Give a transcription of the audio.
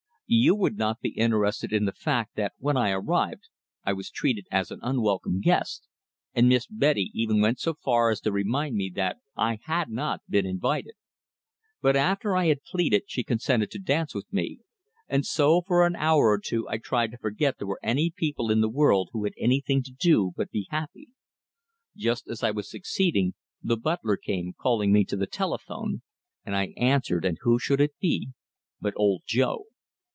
You would not be interested in the fact that when I arrived I was treated as an unwelcome guest, and Miss Betty even went so far as to remind me that I had not been invited. But after I had pleaded, she consented to dance with me; and so for an hour or two I tried to forget there were any people in the world who had anything to do but be happy. Just as I was succeeding, the butler came, calling me to the telephone, and I answered, and who should it be but Old Joe!